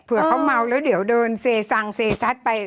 เผื่อเขาเม้าแล้วเดี๋ยวเดินเศรษรางเศรษฐไป